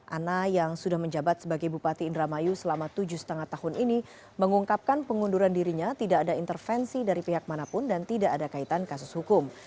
ana yang sudah menjabat sebagai bupati indramayu selama tujuh lima tahun ini mengungkapkan pengunduran dirinya tidak ada intervensi dari pihak manapun dan tidak ada kaitan kasus hukum